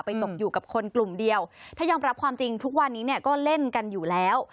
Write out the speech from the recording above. ตกอยู่กับคนกลุ่มเดียวถ้ายอมรับความจริงทุกวันนี้เนี่ยก็เล่นกันอยู่แล้ว